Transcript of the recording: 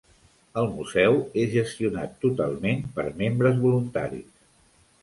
El museu és gestionat totalment per membres voluntaris.